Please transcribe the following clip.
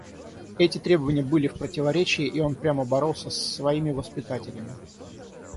Эти требования были в противоречии, и он прямо боролся с своими воспитателями.